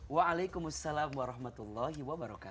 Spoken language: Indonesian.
waalaikumsalam warahmatullahi wabarakatuh